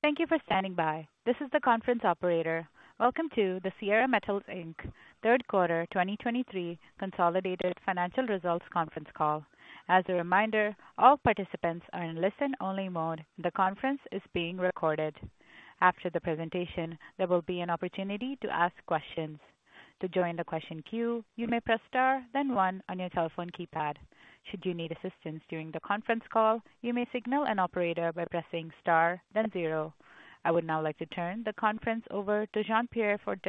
Thank you for standing by. This is the conference operator. Welcome to the Sierra Metals, Inc., Q3 2023 consolidated financial results conference call. As a reminder, all participants are in listen-only mode. The conference is being recorded. After the presentation, there will be an opportunity to ask questions. To join the question queue, you may press star, then one on your telephone keypad. Should you need assistance during the conference call, you may signal an operator by pressing star, then zero. I would now like to turn the conference over to Jean-Pierre Fort,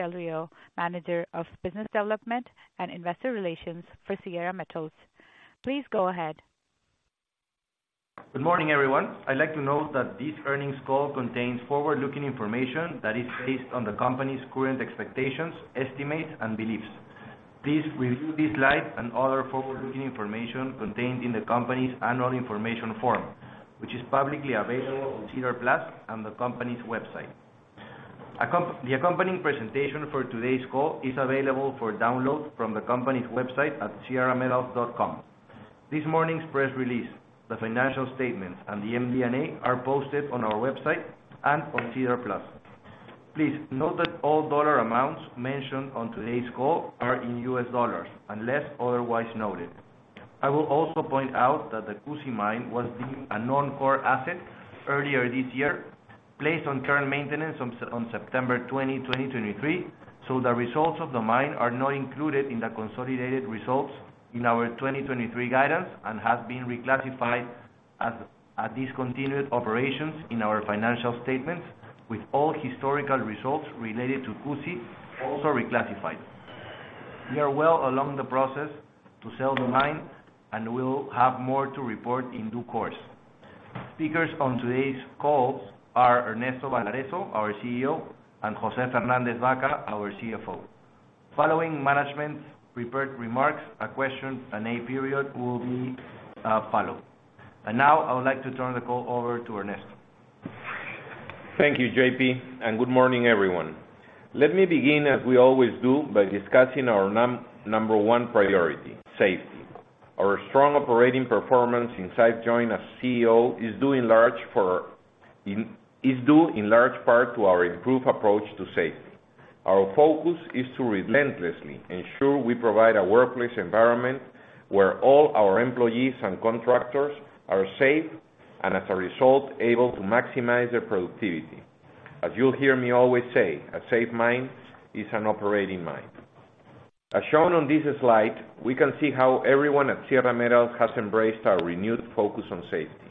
Manager of Business Development and Investor Relations for Sierra Metals. Please go ahead. Good morning, everyone. I'd like to note that this earnings call contains forward-looking information that is based on the company's current expectations, estimates, and beliefs. Please review this slide and other forward-looking information contained in the company's Annual Information Form, which is publicly available on SEDAR+ and the company's website. The accompanying presentation for today's call is available for download from the company's website at sierrametals.com. This morning's press release, the financial statements, and the MD&A are posted on our website and on SEDAR+. Please note that all dollar amounts mentioned on today's call are in US dollars, unless otherwise noted. I will also point out that the Cusi Mine was deemed a non-core asset earlier this year, placed on care and maintenance on September 20, 2023, so the results of the mine are not included in the consolidated results in our 2023 guidance, and has been reclassified as discontinued operations in our financial statements, with all historical results related to Cusi also reclassified. We are well along the process to sell the mine, and we'll have more to report in due course. Speakers on today's call are Ernesto Balarezo, our CEO, and José Fernández-Baca, our CFO. Following management's prepared remarks, a Q&A period will be followed. Now I would like to turn the call over to Ernesto. Thank you, JP, and good morning, everyone. Let me begin, as we always do, by discussing our number one priority, safety. Our strong operating performance since I joined as CEO is due in large part to our improved approach to safety. Our focus is to relentlessly ensure we provide a workplace environment where all our employees and contractors are safe, and as a result, able to maximize their productivity. As you'll hear me always say, "A safe mine is an operating mine." As shown on this slide, we can see how everyone at Sierra Metals has embraced our renewed focus on safety.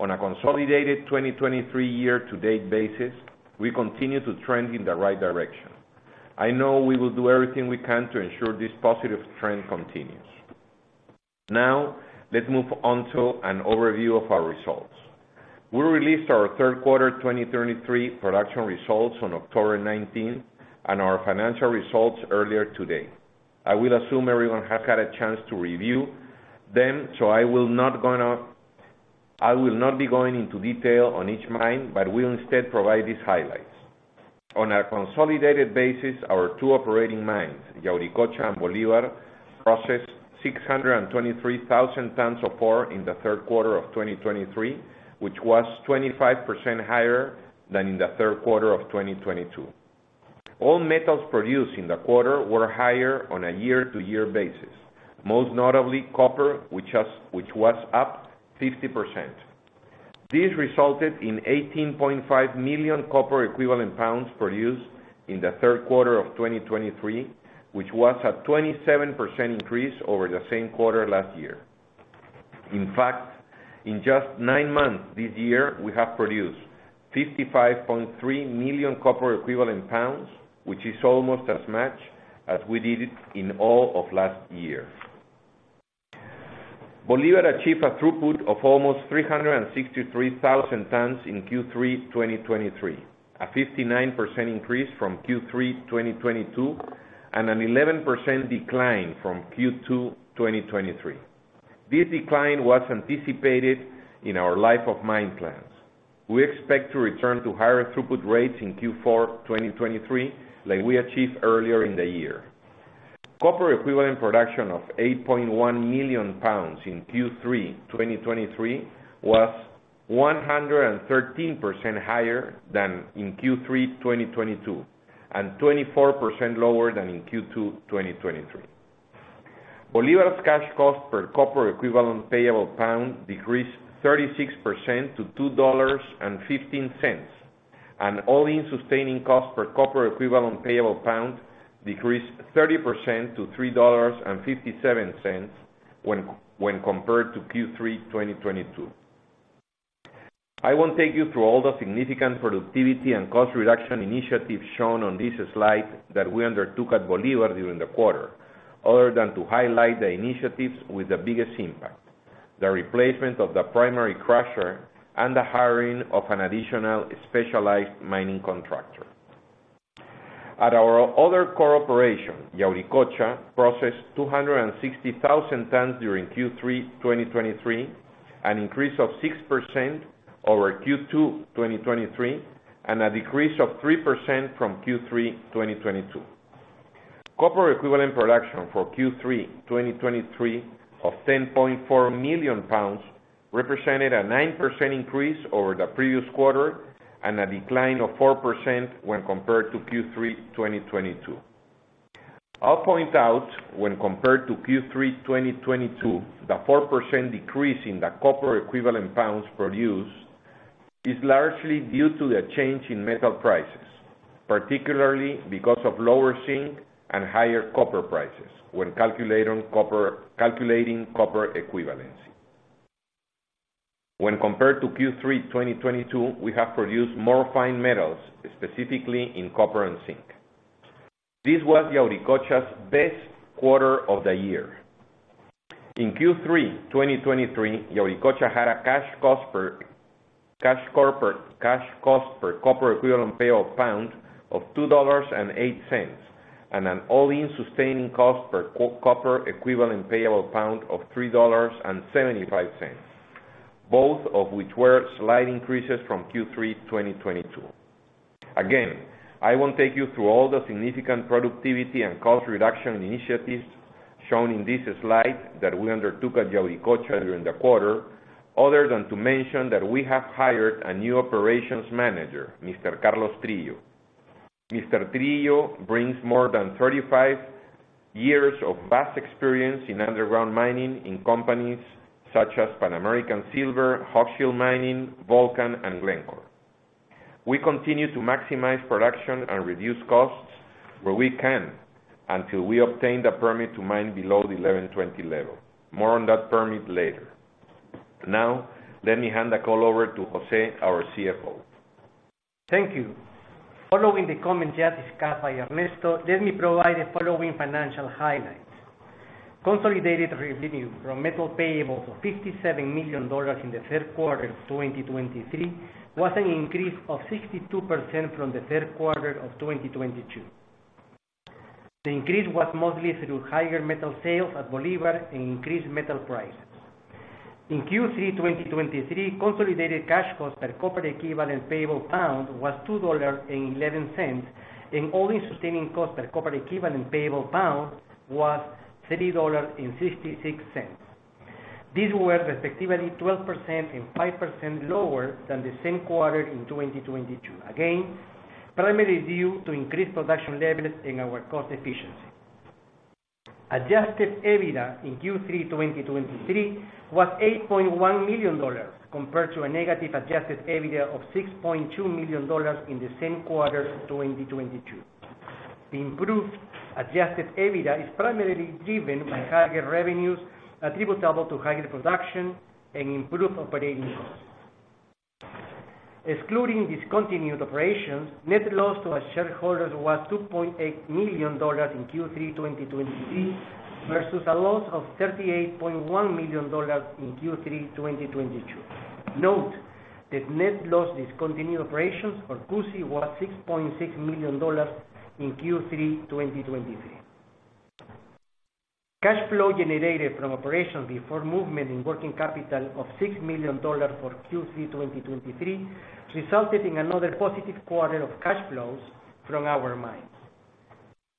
On a consolidated 2023 year-to-date basis, we continue to trend in the right direction. I know we will do everything we can to ensure this positive trend continues. Now, let's move on to an overview of our results. We released our third quarter 2023 production results on October 19, and our financial results earlier today. I will assume everyone has had a chance to review them, so I will not be going into detail on each mine, but will instead provide these highlights. On a consolidated basis, our two operating mines, Yauricocha and Bolivar, processed 623,000 tons of ore in the third quarter of 2023, which was 25% higher than in the third quarter of 2022. All metals produced in the quarter were higher on a year-to-year basis, most notably copper, which was up 50%. This resulted in 18.5 million copper equivalent pounds produced in the third quarter of 2023, which was a 27% increase over the same quarter last year. In fact, in just nine months this year, we have produced 55.3 million copper equivalent pounds, which is almost as much as we did it in all of last year. Bolivar achieved a throughput of almost 363,000 tons in Q3 2023, a 59% increase from Q3 2022, and an 11% decline from Q2 2023. This decline was anticipated in our life of mine plans. We expect to return to higher throughput rates in Q4 2023, like we achieved earlier in the year. Copper equivalent production of 8.1 million pounds in Q3 2023 was 113% higher than in Q3 2022, and 24% lower than in Q2 2023. Bolivar's cash cost per copper equivalent payable pound decreased 36% to $2.15, and all-in sustaining cost per copper equivalent payable pound decreased 30% to $3.57 when compared to Q3 2022. I won't take you through all the significant productivity and cost reduction initiatives shown on this slide that we undertook at Bolivar during the quarter, other than to highlight the initiatives with the biggest impact: the replacement of the primary crusher and the hiring of an additional specialized mining contractor. At our other core operation, Yauricocha processed 260,000 tons during Q3 2023, an increase of 6% over Q2 2023, and a decrease of 3% from Q3 2022.... Copper equivalent production for Q3 2023 of 10.4 million pounds represented a 9% increase over the previous quarter, and a decline of 4% when compared to Q3 2022. I'll point out, when compared to Q3 2022, the 4% decrease in the copper equivalent pounds produced is largely due to the change in metal prices, particularly because of lower zinc and higher copper prices when calculating copper, calculating copper equivalency. When compared to Q3 2022, we have produced more fine metals, specifically in copper and zinc. This was Yauricocha's best quarter of the year. In Q3 2023, Yauricocha had a cash cost per copper equivalent payable pound of $2.08, and an all-in sustaining cost per copper equivalent payable pound of $3.75, both of which were slight increases from Q3 2022. Again, I won't take you through all the significant productivity and cost reduction initiatives shown in this slide that we undertook at Yauricocha during the quarter, other than to mention that we have hired a new operations manager, Mr. Carlos Trillo. Mr. Trillo brings more than 35 years of vast experience in underground mining in companies such as Pan American Silver, Hochschild Mining, Volcan, and Glencore. We continue to maximize production and reduce costs where we can, until we obtain the permit to mine below the 1,120 level. More on that permit later. Now, let me hand the call over to José, our CFO. Thank you. Following the comments just discussed by Ernesto, let me provide the following financial highlights. Consolidated revenue from metal payable of $57 million in the third quarter of 2023 was an increase of 62% from the third quarter of 2022. The increase was mostly through higher metal sales at Bolivar and increased metal prices. In Q3 2023, consolidated cash cost per copper equivalent payable pound was $2.11, and all-in sustaining cost per copper equivalent payable pound was $3.66. These were respectively 12% and 5% lower than the same quarter in 2022. Again, primarily due to increased production levels and our cost efficiency. Adjusted EBITDA in Q3 2023 was $8.1 million, compared to a negative adjusted EBITDA of $6.2 million in the same quarter of 2022. The improved Adjusted EBITDA is primarily driven by higher revenues, attributable to higher production and improved operating costs. Excluding discontinued operations, net loss to our shareholders was $2.8 million in Q3 2023, versus a loss of $38.1 million in Q3 2022. Note that net loss discontinued operations for Cusi was $6.6 million in Q3 2023. Cash flow generated from operations before movement in working capital of $6 million for Q3 2023, resulted in another positive quarter of cash flows from our mines.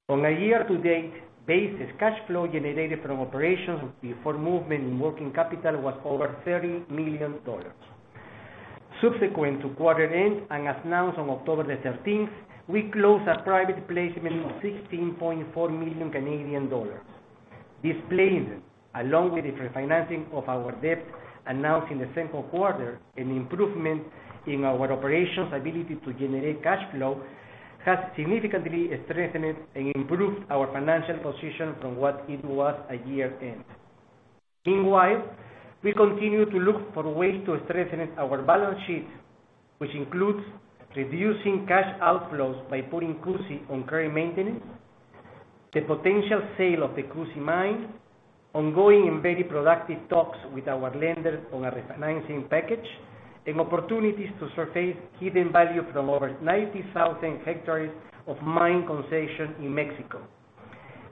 On a year-to-date basis, cash flow generated from operations before movement in working capital was over $30 million. Subsequent to quarter end, and as announced on October 13, we closed a private placement of 16.4 million Canadian dollars. This placement, along with the refinancing of our debt announced in the second quarter, an improvement in our operations' ability to generate cash flow, has significantly strengthened and improved our financial position from what it was at year-end. Meanwhile, we continue to look for ways to strengthen our balance sheet, which includes reducing cash outflows by putting Cusi on care and maintenance, the potential sale of the Cusi Mine, ongoing and very productive talks with our lenders on a refinancing package, and opportunities to surface hidden value from over 90,000 hectares of mine concession in Mexico.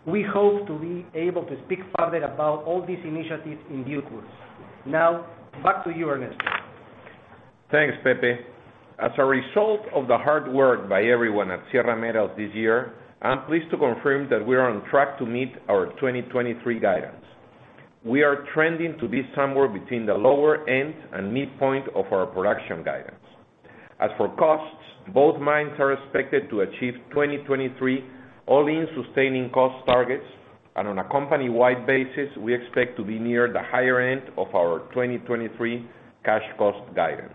We hope to be able to speak further about all these initiatives in due course. Now, back to you, Ernesto. Thanks, Pepe. As a result of the hard work by everyone at Sierra Metals this year, I'm pleased to confirm that we are on track to meet our 2023 guidance. We are trending to be somewhere between the lower end and midpoint of our production guidance. As for costs, both mines are expected to achieve 2023 all-in sustaining cost targets, and on a company-wide basis, we expect to be near the higher end of our 2023 cash cost guidance.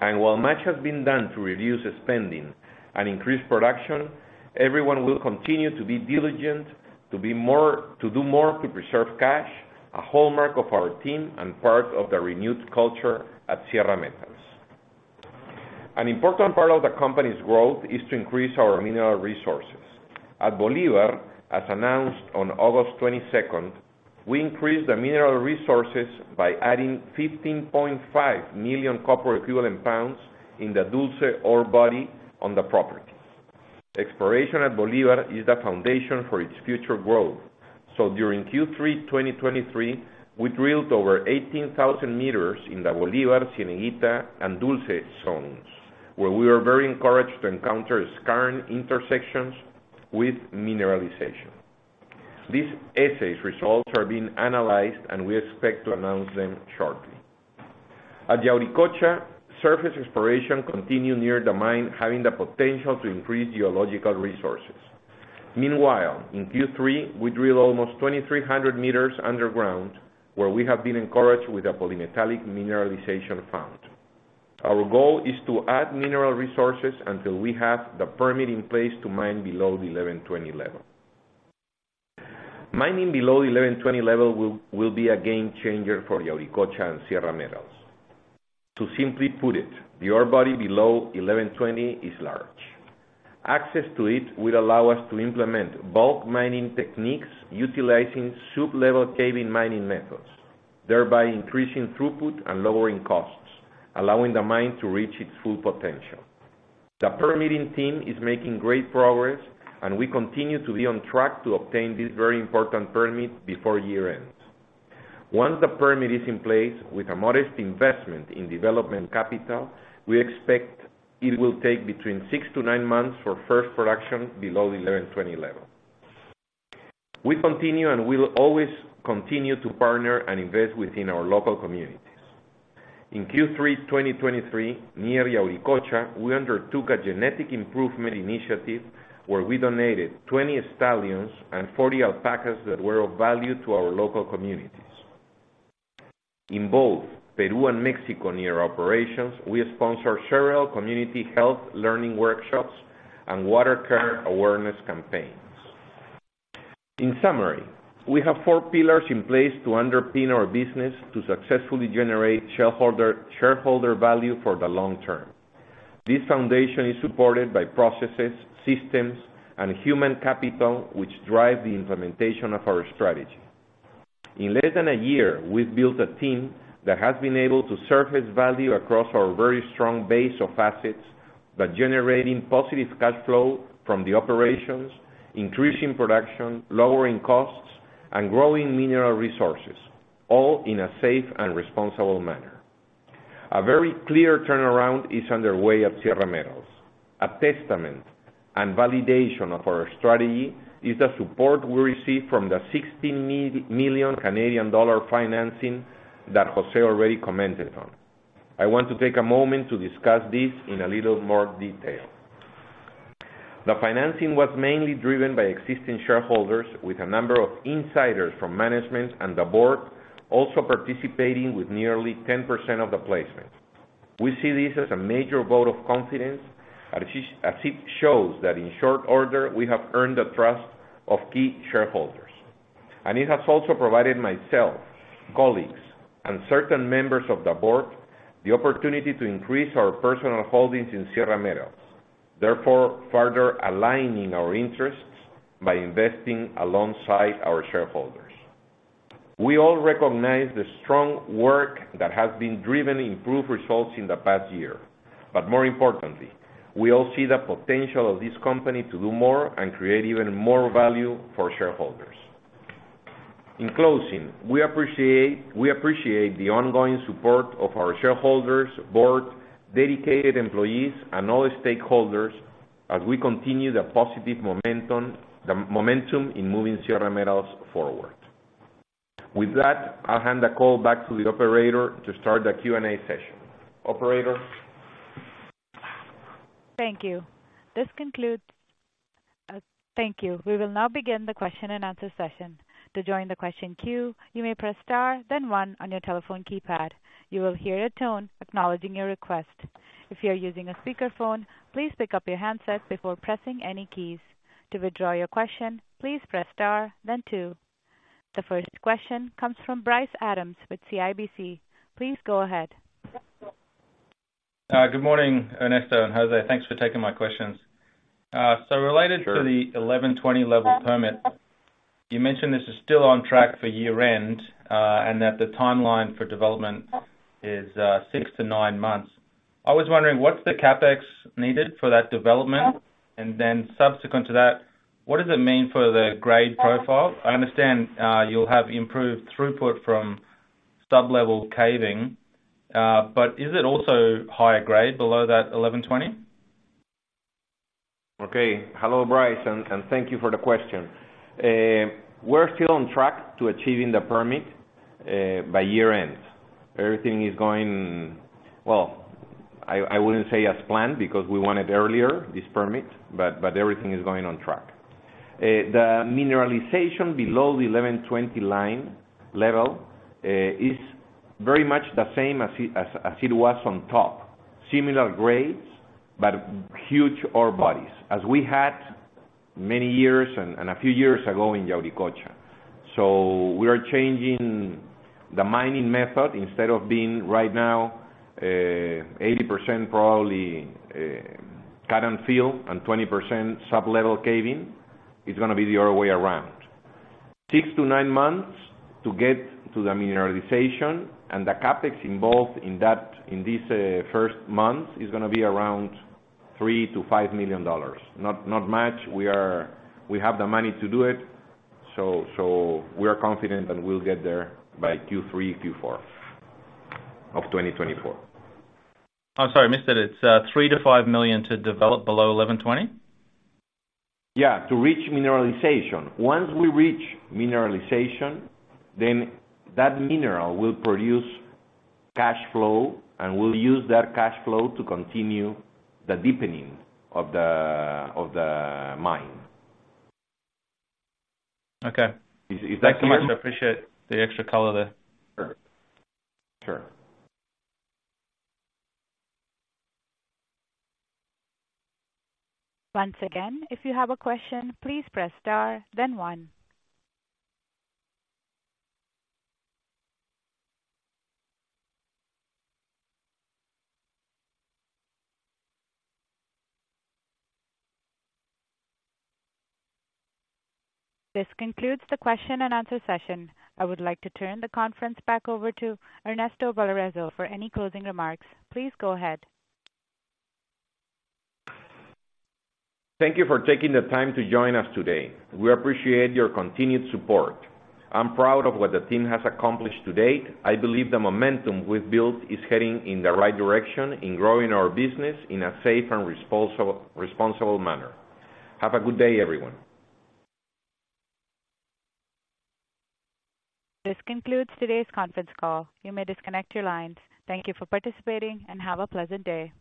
And while much has been done to reduce spending and increase production, everyone will continue to be diligent, to do more to preserve cash, a hallmark of our team and part of the renewed culture at Sierra Metals. An important part of the company's growth is to increase our mineral resources. At Bolivar, as announced on August 22nd, we increased the mineral resources by adding 15.5 million copper equivalent pounds in the Dulce ore body on the properties. Exploration at Bolivar is the foundation for its future growth. So during Q3 2023, we drilled over 18,000 meters in the Bolivar, Cieneguita, and Dulce zones, where we were very encouraged to encounter skarn intersections with mineralization. These assay results are being analyzed, and we expect to announce them shortly. At Yauricocha, surface exploration continued near the mine, having the potential to increase geological resources. Meanwhile, in Q3, we drilled almost 2,300 meters underground, where we have been encouraged with the polymetallic mineralization found. Our goal is to add mineral resources until we have the permit in place to mine below the 1,120 level. Mining below the 1120 level will be a game changer for Yauricocha and Sierra Metals. To simply put it, the ore body below 1120 is large. Access to it will allow us to implement bulk mining techniques utilizing sublevel caving mining methods, thereby increasing throughput and lowering costs, allowing the mine to reach its full potential. The permitting team is making great progress, and we continue to be on track to obtain this very important permit before year-end. Once the permit is in place, with a modest investment in development capital, we expect it will take between 6-9 months for first production below the 1120 level. We continue and will always continue to partner and invest within our local communities. In Q3 2023, near Yauricocha, we undertook a genetic improvement initiative where we donated 20 stallions and 40 alpacas that were of value to our local communities. In both Peru and Mexico, near operations, we sponsored several community health learning workshops and water care awareness campaigns. In summary, we have 4 pillars in place to underpin our business to successfully generate shareholder, shareholder value for the long term. This foundation is supported by processes, systems, and human capital, which drive the implementation of our strategy. In less than a year, we've built a team that has been able to surface value across our very strong base of assets, by generating positive cash flow from the operations, increasing production, lowering costs, and growing mineral resources, all in a safe and responsible manner. A very clear turnaround is underway at Sierra Metals. A testament and validation of our strategy is the support we received from the 16.4 million Canadian dollar financing that José already commented on. I want to take a moment to discuss this in a little more detail. The financing was mainly driven by existing shareholders, with a number of insiders from management and the board also participating with nearly 10% of the placement. We see this as a major vote of confidence, as it shows that in short order, we have earned the trust of key shareholders. And it has also provided myself, colleagues, and certain members of the board, the opportunity to increase our personal holdings in Sierra Metals, therefore, further aligning our interests by investing alongside our shareholders. We all recognize the strong work that has been driven improved results in the past year, but more importantly, we all see the potential of this company to do more and create even more value for shareholders. In closing, we appreciate, we appreciate the ongoing support of our shareholders, board, dedicated employees, and all the stakeholders as we continue the positive momentum, the momentum in moving Sierra Metals forward. With that, I'll hand the call back to the operator to start the Q&A session. Operator? Thank you. This concludes... thank you. We will now begin the question-and-answer session. To join the question queue, you may press Star, then one on your telephone keypad. You will hear a tone acknowledging your request. If you are using a speakerphone, please pick up your handset before pressing any keys. To withdraw your question, please press Star, then two. The first question comes from Bryce Adams with CIBC. Please go ahead. Good morning, Ernesto and José. Thanks for taking my questions. So related- Sure. -to the 1,120 level permit, you mentioned this is still on track for year-end, and that the timeline for development is, 6-9 months. I was wondering, what's the CapEx needed for that development? And then subsequent to that, what does it mean for the grade profile? I understand, you'll have improved throughput from sub-level caving, but is it also higher grade below that 1,120? Okay. Hello, Bryce, and thank you for the question. We're still on track to achieving the permit by year-end. Everything is going... Well, I wouldn't say as planned, because we wanted earlier this permit, but everything is going on track. The mineralization below the 1120 line level is very much the same as it was on top. Similar grades, but huge ore bodies, as we had many years and a few years ago in Yauricocha. So we are changing the mining method. Instead of being right now 80% probably cut and fill, and 20% sub-level caving, it's gonna be the other way around. 6-9 months to get to the mineralization, and the CapEx involved in that, in this first month, is gonna be around $3 million-$5 million. Not much. We have the money to do it, so we are confident that we'll get there by Q3, Q4 of 2024. I'm sorry, I missed it. It's $3-5 million to develop below 1,120? Yeah, to reach mineralization. Once we reach mineralization, then that mineral will produce cash flow, and we'll use that cash flow to continue the deepening of the, of the mine. Okay. Is that clear? I appreciate the extra color there. Sure. Once again, if you have a question, please press Star, then one. This concludes the question-and-answer session. I would like to turn the conference back over to Ernesto Balarezo for any closing remarks. Please go ahead. Thank you for taking the time to join us today. We appreciate your continued support. I'm proud of what the team has accomplished to date. I believe the momentum we've built is heading in the right direction in growing our business in a safe and responsible manner. Have a good day, everyone. This concludes today's conference call. You may disconnect your lines. Thank you for participating, and have a pleasant day.